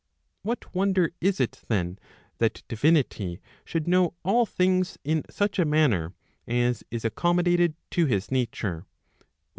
What wonder is it then that Divinity should know all things in such a manner as is accommodated to his nature, viz.